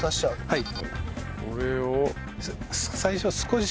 はい。